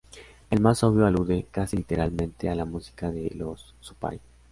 El más obvio alude, casi literalmente, a la música de los Zupay.